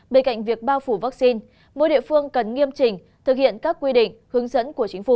bên cạnh việc bao phủ vaccine mỗi địa phương cần nghiêm trình thực hiện các quy định hướng dẫn của chính phủ